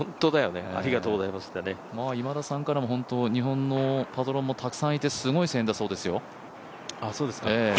今田さんからも、本当に日本のパトロンもたくさんいて、すごい声援だそうですよ。